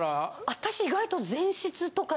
私意外と。